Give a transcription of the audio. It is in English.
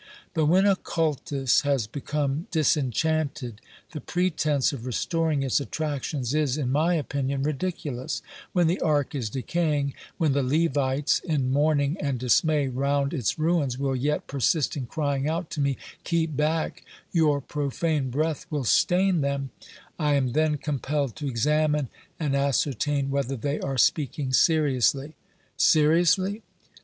But when a cultus has become disenchanted, the pretence of restoring its attractions is, in my opinion, ridiculous ; when the ark is decaying, when the Levites, in mourning and dismay round its ruins, will yet persist in crying out to me : "Keep back, your profane breath will stain them," I am then compelled to examine and ascertain whether they are speaking seriously. Seriously